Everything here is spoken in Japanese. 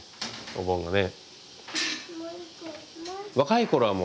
お盆がね。